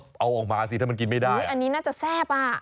เอาออกมาสิถ้ามันกินไม่ได้อันนี้น่าจะแซ่บอ่ะ